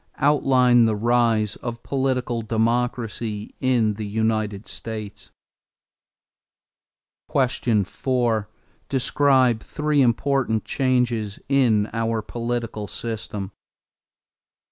Outline the rise of political democracy in the United States. 4. Describe three important changes in our political system.